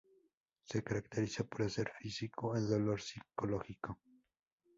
Se caracteriza por hacer físico el dolor psicológico.